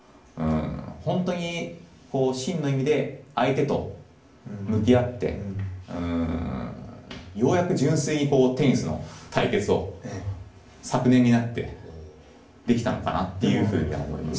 本当に真の意味で相手と向き合ってようやく純粋にテニスの対決を昨年になってできたのかなっていうふうには思います。